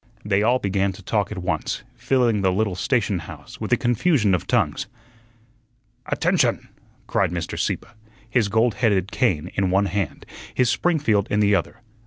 They all began to talk at once, filling the little station house with a confusion of tongues. "Attention!" cried Mr. Sieppe, his gold headed cane in one hand, his Springfield in the other.